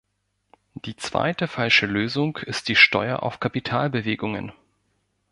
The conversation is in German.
Die zweite falsche Lösung ist die Steuer auf Kapitalbewegungen.